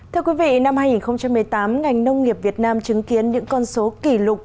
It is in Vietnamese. thưa quý vị năm hai nghìn một mươi tám ngành nông nghiệp việt nam chứng kiến những con số kỷ lục